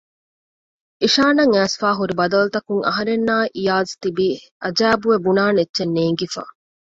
އިޝާން އަށް އައިސްފައިހުރި ބަދަލުތަކުން އަހަރެންނާއި އިޔާޒް ތިބީ އަޖައިބުވެ ބުނާނެ އެއްޗެއް ނޭންގިފަ